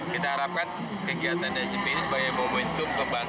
kita harapkan kegiatan ssv ini sebagai momentum beban